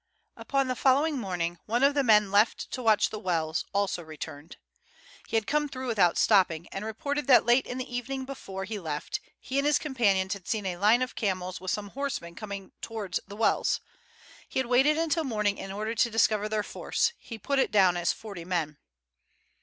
Upon the following morning one of the men left to watch the wells also returned. He had come through without stopping, and reported that late in the evening before he left he and his companions had seen a line of camels with some horsemen coming towards the wells. He had waited until morning in order to discover their force; he put it down as forty men.